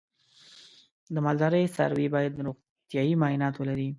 د مالدارۍ څاروی باید روغتیايي معاینات ولري.